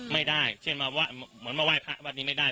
ไม่ได้เช่นมาเหมือนมาไหว้พระวัดนี้ไม่ได้